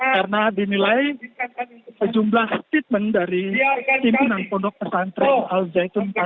karena dinilai sejumlah statement dari pimpinan pondok pesantren al zaitun